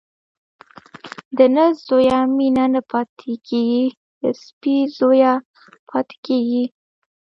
د نه زويه مينه نه پاتېږي ، د سپي زويه پاتېږي.